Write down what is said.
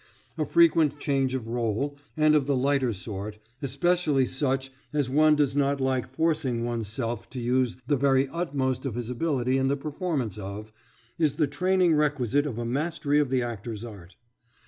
A frequent change of role, and of the lighter sort especially such as one does not like forcing one's self to use the very utmost of his ability in the performance of is the training requisite for a mastery of the actor's art.